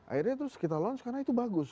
akhirnya terus kita launch karena itu bagus